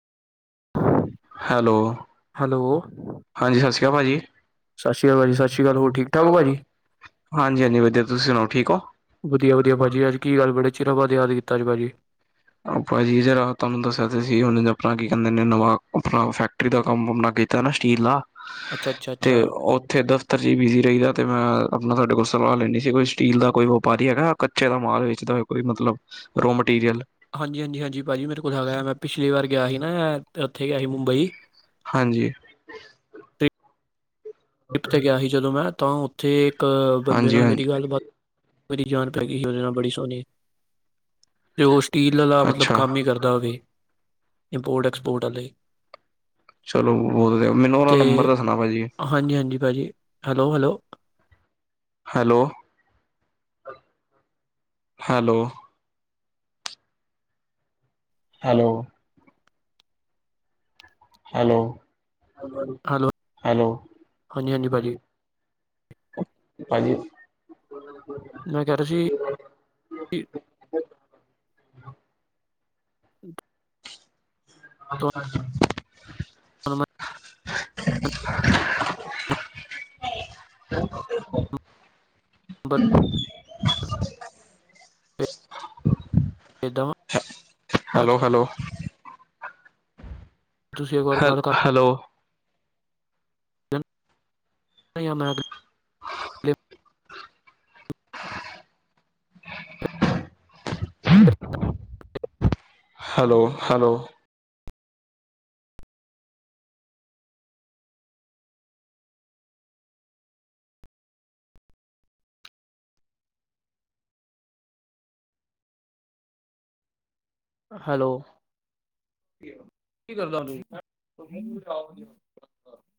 Hello. Hello ਹਾਂਜੀ ਸਤਿ ਸ਼੍ਰੀ ਅਕਾਲ ਭਾਜੀ ਸਤਿ ਸ਼੍ਰੀ ਅਕਾਲ ਭਾਜੀ, ਸਤਿ ਸ਼੍ਰੀ ਅਕਾਲ ਹੋਰ ਠੀਕ ਠਾਕ ਹੋ ਭਾਜੀ। ਹਾਂਜੀ ਹਾਂਜੀ ਵਧੀਆ ਤੁਸੀਂ ਸੁਣਾਓ ਠੀਕ ਵਧੀਆ ਵਧੀਆ ਭਾਜੀ, ਅੱਜ ਕੀ ਗੱਲ ਬੜੇ ਚਿਰਾਂ ਬਾਅਦ ਯਾਦ ਕੀਤੀ। ਧੰਨਵਾਦ ਜੀ । ਭਾਜੀ ਜਰਾ ਤੁਹਾਨੂੰ ਦੱਸਿਆ ਸੀ ਆਪਣਾ ਕੀ ਕਹਿੰਦੇ ਫੈਕਟਰੀ ਦਾ ਕੰਮ ਆਪਣਾ। ਕੀਤਾ ਨਾ ਸਟੀਲ ਦਾ ਅੱਛਾ ਅੱਛਾ ਤੇ ਅੱਛਾ ਉੱਥੇ ਦਫ਼ਤਰ ਚ ਬਿਜੀ ਰਹੀਦਾ ਤੇ ਮੈਂ। ਆਪਣਾ ਤੁਹਾਡੇ ਕੋਲ ਸਲਾਹ ਲੈਂਦੀ ਸੀ ਕੋਈ ਸਟੀਲ ਦਾ ਕੋਈ ਵਪਾਰੀ ਹੈਗਾ ਕੱਚੇ ਦਾ ਮਾਲ ਵੇਚਦਾ ਹੋ ਕੋਈ ਮਤਲਬ। Raw material. ਹਾਂਜੀ ਹਾਂਜੀ ਹਾਂਜੀ ਭਾਜੀ ਮੇਰੇ ਕੋਲ ਹੈਗਾ ਮੈਂ ਪਿਛਲੀ ਵਾਰ ਗਿਆ ਸੀ ਨਾ। ਕਿੱਥੇ ਗਿਆ ਸੀ ਮੁੰਬਈ। ਹਾਂਜੀ ਟ੍ਰਿਪ 'ਤੇ ਗਿਆ ਸੀ ਜਦੋਂ ਮੈਂ ਤਾਂ ਉੱਥੇ ਇੱਕ ਬੰਦੇ ਹਾਂਜੀ ਨਾਲ ਮੇਰੀ ਹਾਂਜੀ ਗੱਲਬਾਤ ਮੇਰੀ ਜਾਨ ਪੈ ਗਈ ਸੀ ਉਹਦੇ ਨਾਲ ਬੜੀ ਸੋਹਣੀ ਰਸ਼ ਸਟੀਲ ਵਾਲਾ ਮਤਲਬ ਅੱਛਾ ਕੰਮ ਹੀ ਕਰਦਾ ਹੋਵੇ ਇੰਪੋਰਟ ਐਕਸਪੋਰਟ ਵਾਲੇ। ਚਲੋ ਉਹ ਮੈਨੂੰ ਉਹਦਾ ਤੇ ਨੰਬਰ ਦੱਸਣਾ ਭਾਜੀ ਹਾਂਜੀ ਹਾਂਜੀ ਭਾਜੀ, hello hello. Hello. Hello. Hello. Hello hello hello. ਹਾਂਜੀ ਹਾਂਜੀ ਭਾਜੀ ਭਾਜੀ। ਮੈਂ ਕਹਿ ਰਿਹਾ ਸੀ। ਹੂੰ। ਅੱਛਾ। ਹੁਣ ਮੈਂ। ਬਰ। ਇਹਦਾਂ। Hello hello. ਤੁਸੀਂ ਇੱਕ ਵਾਰ ਹੈ ਗੱਲ ਕਰ ਹੈਲੋ। ਨਹੀਂ ਆ ਮੈਂ ਹੈਲੋ ਹੈਲੋ। ਹੈਲੋ। ਕੀ ਕਰਦਾ।